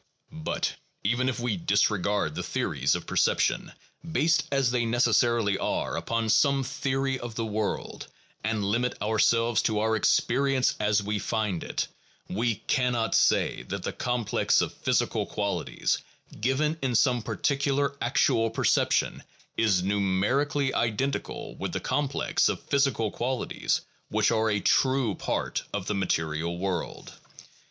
But even if we disregard the theories of perception, based as they necessarily are upon some theory of the world, and limit ourselves to our experience as we find it, we cannot say that the complex of physical qualities given in some particular actual perception is numerically identical with the complex of physical qualities which are a true part of the material world.